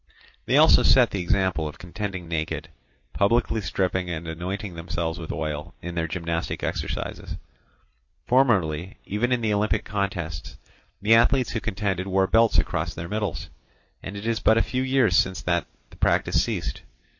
They also set the example of contending naked, publicly stripping and anointing themselves with oil in their gymnastic exercises. Formerly, even in the Olympic contests, the athletes who contended wore belts across their middles; and it is but a few years since that the practice ceased.